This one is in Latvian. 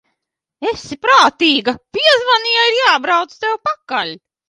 Esi prātīga, piezvani, ja ir jābrauc tev pakaļ.